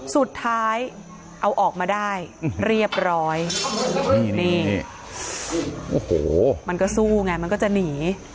สุดท้ายเอาออกมาได้เรียบร้อยนี่โอ้โหมันก็สู้ไงมันก็จะหนี